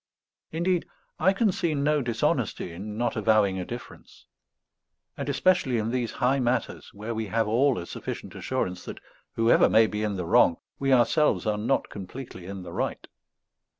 Indeed, I can see no dishonesty in not avowing a difference; and especially in these high matters, where we have all a sufficient assurance that, whoever may be in the wrong, we ourselves are not completely in the right.